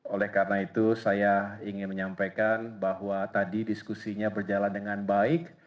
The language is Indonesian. oleh karena itu saya ingin menyampaikan bahwa tadi diskusinya berjalan dengan baik